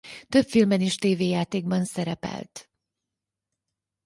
Több filmben és tévéjátékban szerepelt.